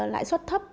lãi suất thấp